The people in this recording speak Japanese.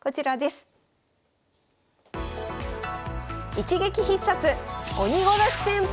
一撃必殺鬼殺し戦法！